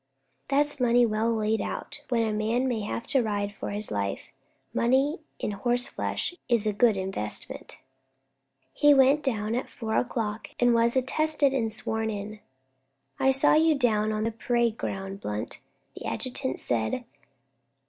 That's money well laid out; when a man may have to ride for his life, money in horseflesh is a good investment." He went down at four o'clock, and was attested and sworn in. "I saw you down on the parade ground, Blunt," the adjutant said.